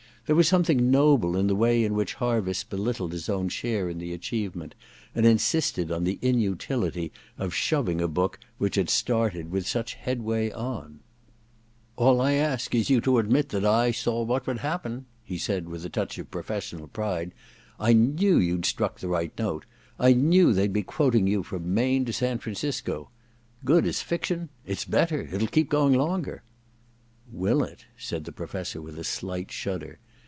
There was something noble in the way in which Harviss belittled his own share in the achieve ment and insisted on the inutility of shoving a book which had started with such headway on. * All I ask you is to admit that I saw what would happen,' he said with a touch of pro fessional pride. *I knew you'd struck the right note — I knew they'd be quoting you from Maine to San Francisco. Good as fiction ? It's better — it'll keep going longer.' * Will it ?* s^d the Professor with a slight shudder.